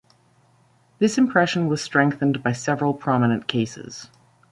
This impression was strengthened by several prominent cases.